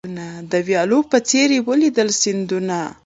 د ویالو په څېر یې ولیدل سیندونه